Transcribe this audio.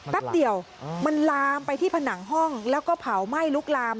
แป๊บเดียวมันลามไปที่ผนังห้องแล้วก็เผาไหม้ลุกลาม